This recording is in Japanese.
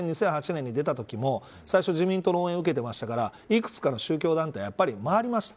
２００８年に出たときも最初は自民党の応援を受けていましたから幾つかの宗教団体を回りました。